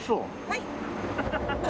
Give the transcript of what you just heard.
はい。